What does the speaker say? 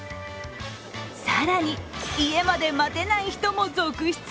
更に、家まで待てない人も続出。